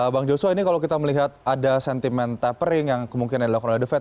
bang joshua ini kalau kita melihat ada sentimen tapering yang kemungkinan dilakukan oleh the fed